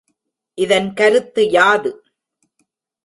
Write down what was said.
இதன் கருத்து யாது?